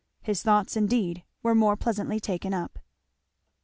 His thoughts indeed were more pleasantly taken up.